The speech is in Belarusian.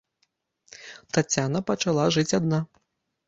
Таццяна пачала жыць адна.